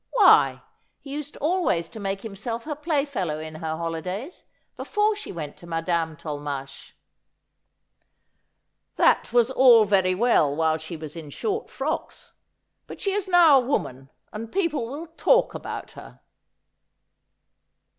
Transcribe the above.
Why, he used always to make himself her playfellow in her holidays, before she went to Madame Tolmache.' ' That was all very well while she was in short frocks. But she is now a woman, and people will talk about her.'